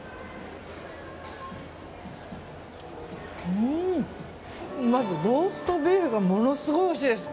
うん、まずローストビーフがものすごくおいしいです。